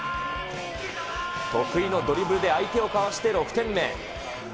得意のドリブルで相手をかわして、６点目。